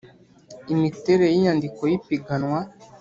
imiterere y inyandiko y ipiganwa